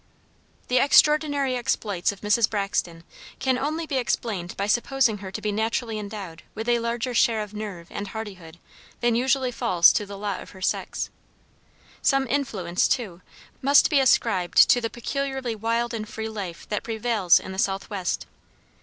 The extraordinary exploits of Mrs. Braxton can only be explained by supposing her to be naturally endowed with a larger share of nerve and hardihood than usually falls to the lot of her sex. Some influence, too, must be ascribed to the peculiarly wild and free life that prevails in the southwest.